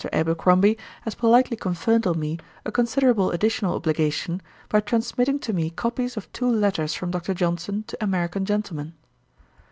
Abercrombie has politely conferred on me a considerable additional obligation, by transmitting to me copies of two letters from Dr. Johnson to American gentlemen.